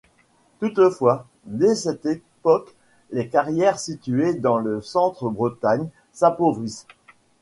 Toutefois, dès cette époque, les carrières situées dans le centre Bretagne s'appauvrissent.